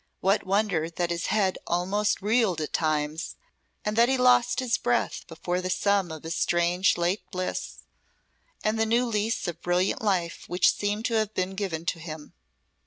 What wonder that his head almost reeled at times and that he lost his breath before the sum of his strange late bliss, and the new lease of brilliant life which seemed to have been given to him.